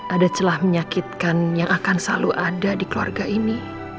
ada celah menyakitkan yang akan selalu ada di keluarga ini